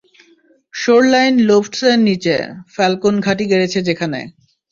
Shoreline Lofts এর নিচে, Falcone ঘাঁটি গেড়েছে যেখানে।